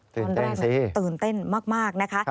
ตื่นเต้นสิตื่นเต้นมากนะคะ